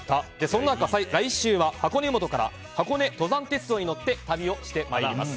そんな中、来週は箱根湯本から箱根登山鉄道に乗って旅をしてまいります。